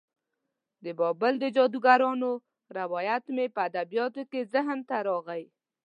د بابل د جادوګرانو روایت مې په ادبیاتو کې ذهن ته راغی.